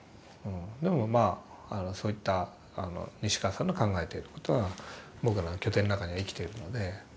でもまあそういった西川さんの考えていることは僕らの拠点の中には生きているので。